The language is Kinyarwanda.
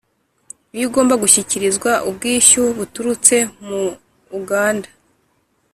Iyo ugomba gushyikirizwa ubwishyu buturutse mu uganda